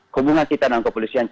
hubungan kita dengan kepolisian